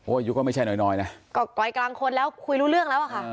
อายุก็ไม่ใช่น้อยน้อยนะก็กอยกลางคนแล้วคุยรู้เรื่องแล้วอะค่ะ